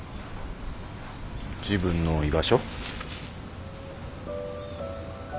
自分の居場所。